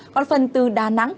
còn phần từ đà nẵng